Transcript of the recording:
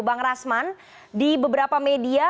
bang rasman di beberapa media